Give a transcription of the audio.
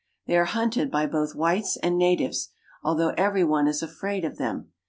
They are hunted by ^^V both whites and natives, although every one is afraid of ^^H them.